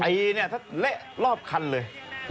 ไอเนี่ยเละรอบคันเลย